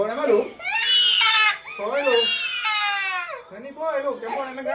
เรา